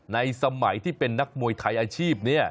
สมัยที่เป็นนักมวยไทยอาชีพ